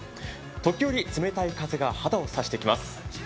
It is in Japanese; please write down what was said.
時折冷たい風が肌を刺してきます。